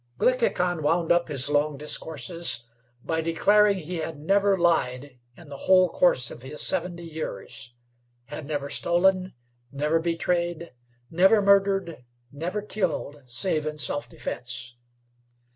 Glickhican wound up his long discourses by declaring he had never lied in the whole course of his seventy years, had never stolen, never betrayed, never murdered, never killed, save in self defence.